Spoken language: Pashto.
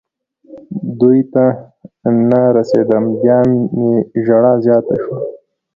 دوی ته نه رسېدم. بیا مې ژړا زیاته شوه.